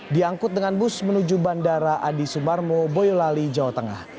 diangkut dengan bus menuju bandara adi sumarmo boyolali jawa tengah